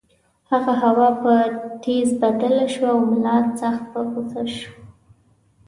هغه هوا په ټیز بدله شوه او ملا سخت په غُصه شو.